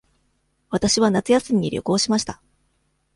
わたしは夏休みに旅行しました。